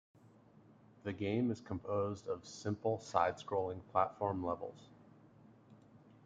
The game is composed of simple side-scrolling platform levels.